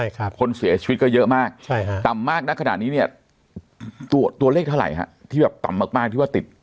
คนเสียชีวิตก็เยอะมากต่ำมากนักขนาดนี้เนี่ยตัวเลขเท่าไหร่ค่ะที่แบบต่ำมากที่ว่าติด